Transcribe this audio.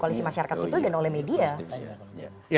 koalisi masyarakat sipil dan oleh media